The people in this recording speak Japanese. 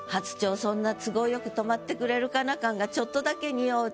そんな都合良く止まってくれるかな感がちょっとだけにおうと。